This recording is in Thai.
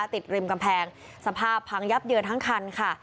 ติดริมกำแพงสภาพพังยับเยินทั้งคันค่ะ